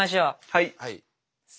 はい。